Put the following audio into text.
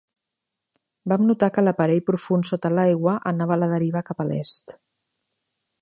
Van notar que l'aparell profund sota l'aigua anava a la deriva cap a l'est.